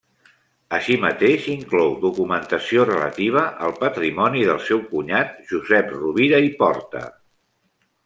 Així mateix, inclou documentació relativa al patrimoni del seu cunyat, Josep Rovira i Porta.